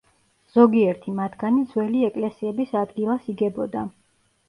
ზოგიერთი მათგანი ძველი ეკლესიების ადგილას იგებოდა.